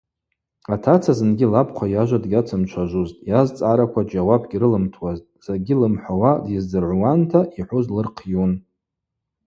Атаца зынгьи лабхъва йажва дгьацымчважвузтӏ, йазцӏгӏараква джьауап гьрылымтуазтӏ, закӏгьи лымхӏвауа дйыздзыргӏвуанта, йхӏвуз лырхъйун.